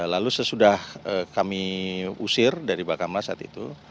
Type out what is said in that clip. lalu sesudah kami usir dari bakamla saat itu